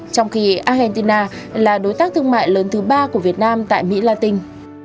trong khi argentina là đối tác thương mại lớn thứ ba của việt nam tại mỹ la tinh